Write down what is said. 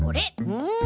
うん。